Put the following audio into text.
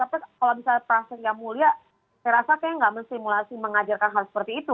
tapi kalau misalnya praset yang mulia saya rasa kayaknya nggak menstimulasi mengajarkan hal seperti itu